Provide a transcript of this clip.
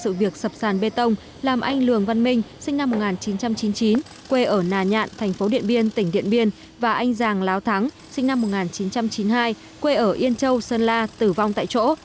sự việc sập sàn bê tông làm anh lường văn minh sinh năm một nghìn chín trăm chín mươi chín quê ở nà nhạn thành phố điện biên tỉnh điện biên và anh giàng láo thắng sinh năm một nghìn chín trăm chín mươi hai quê ở yên châu sơn la tử vong tại chỗ